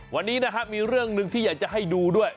วันนี้นะครับมีเรื่องหนึ่งที่อยากจะให้ดูด้วย